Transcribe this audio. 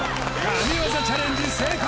神業チャレンジ成功！